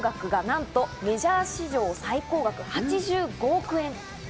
今シーズンの総収入額がなんとメジャー史上最高額の８５億円！